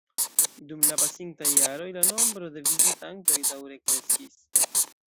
Dum la pasintaj jaroj la nombro de vizitantoj daŭre kreskis.